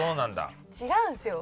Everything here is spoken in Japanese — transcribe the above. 違うんですよ。